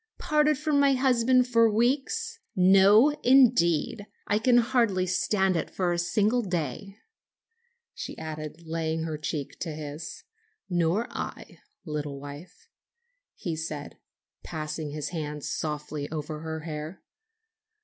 "Parted from my husband for weeks? No, indeed! I can hardly stand it for a single day," she added, laying her cheek to his. "Nor I, little wife," he said, passing his hand softly over her hair.